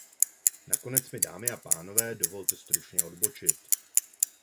A nakonec mi, dámy a pánové, dovolte stručně odbočit.